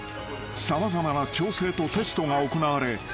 ［様々な調整とテストが行われ］